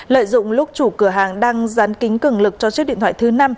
lợi dụng lúc chủ cửa hàng đang dán kính cường lực cho chiếc điện thoại thứ năm